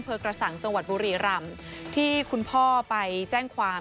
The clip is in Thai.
กระสังจังหวัดบุรีรำที่คุณพ่อไปแจ้งความ